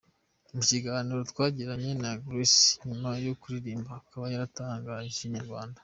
Mu kiganiro twagiranye na Young Grace nyuma yo kuririmba akaba yatangarije Inyarwanda.